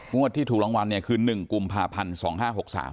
งวดที่ถูกรางวัลเนี่ยคือ๑กุมภาพันธุ์๒๕๖๓